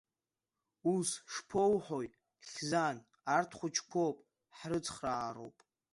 Ус шԥоуҳәои, Хьзан, арҭ хәыҷқәоуп, ҳрыцхраароуп.